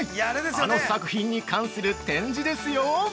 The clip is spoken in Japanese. あの作品に関する展示ですよ。